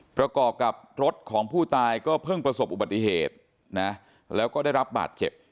ประกอบกับรถของผู้ตายก็เพิ่งประสบอุบัติเหตุนะแล้วก็ได้รับบาดเจ็บ